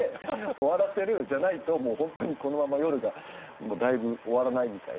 じゃないともう本当にこのまま夜がだいぶ終わらないみたいな。